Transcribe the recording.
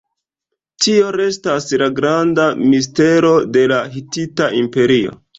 Tio restas la granda mistero de la Hitita Imperio.